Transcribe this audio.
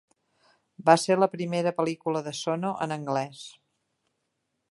Va ser la primera pel·lícula de Sono en anglès.